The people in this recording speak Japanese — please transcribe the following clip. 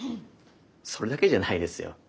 それだけじゃないですよ。